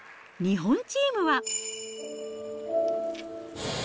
日本チームは。